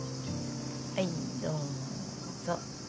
はいどうぞ。